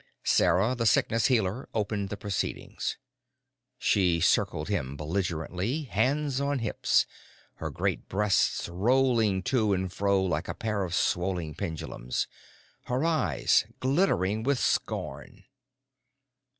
Sarah the Sickness Healer opened the proceedings. She circled him belligerently, hands on hips, her great breasts rolling to and fro like a pair of swollen pendulums, her eyes glittering with scorn.